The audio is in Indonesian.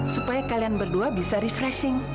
supaya kalian berdua bisa refreshing